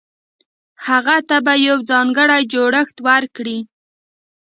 هغه ته به يو ځانګړی جوړښت ورکړي.